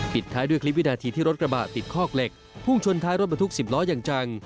ท้ายด้วยคลิปวินาทีที่รถกระบะติดคอกเหล็กพุ่งชนท้ายรถบรรทุก๑๐ล้ออย่างจัง